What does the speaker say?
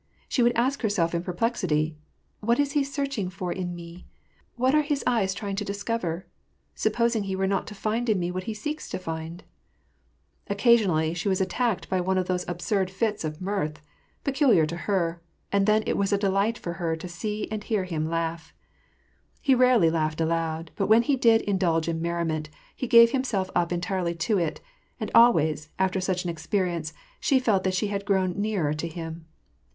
She would ask herself in perplexity, " What is he searching for in me ? What are his eyes trying to discover ? Supposing he were not to find in me what he seeks to find ?" Occasionally, she was attacked by one of those absurd fits of mirth, peculiar to her, and then it was a delight for her to see and hear him laugh. He rarely laughed aloud, but when he did indulge in merriment, he gave himself up entirely to it ; and always, after such an experience, she felt that she had grown nearer to him.